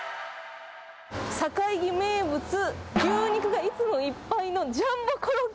境木名物牛肉がいつもいっぱいのジャンボコロッケ。